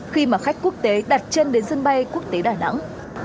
khi mà khách quốc tế đặt chân đến sân bay quốc tế đà nẵng